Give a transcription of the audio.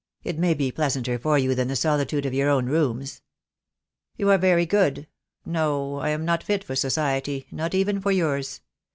"It may be pleasanter for you than the solitude of your own rooms." "You are very good. No, I am not fit for society, not even for yours.